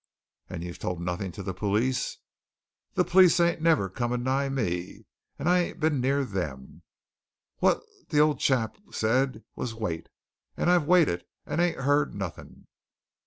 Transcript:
"And you've told nothing to the police?" "The police ain't never come a nigh me, and I ain't been near them. What the old chap said was wait! And I've waited and ain't heard nothing."